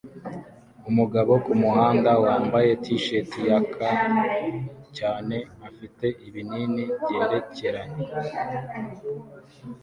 Umugabo kumuhanda wambaye t-shati yaka cyane afite ibinini byerekeranye